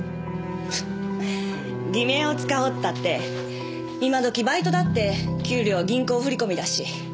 偽名を使おうったって今どきバイトだって給料は銀行振り込みだし。